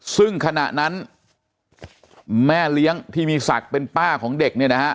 ซึ่งขณะนั้นแม่เลี้ยงที่มีศักดิ์เป็นป้าของเด็กเนี่ยนะฮะ